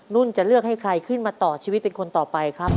นุ่นจะเลือกให้ใครขึ้นมาต่อชีวิตเป็นคนต่อไปครับ